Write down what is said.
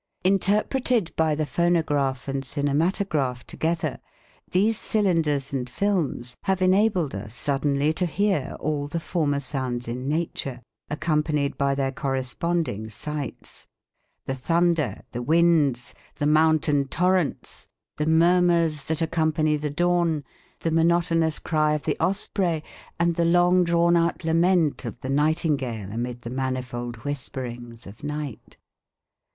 Interpreted by the phonograph and cinematograph together, these cylinders and films have enabled us suddenly to hear all the former sounds in nature accompanied by their corresponding sights, the thunder, the winds, the mountain torrents, the murmurs that accompany the dawn, the monotonous cry of the osprey and the long drawn out lament of the nightingale amid the manifold whisperings of night.